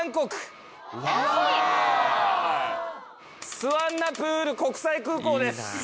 スワンナプーム国際空港です！